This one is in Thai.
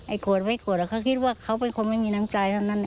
ไอ้โกรธไปโกรธเขาเข้าคิดว่าเป็นคนไม่มีน้ำใจที่นั่น